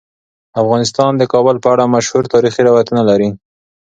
افغانستان د کابل په اړه مشهور تاریخی روایتونه لري.